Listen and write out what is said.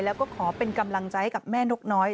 แล้วก็ขอเป็นกำลังใจให้กับแม่นกน้อย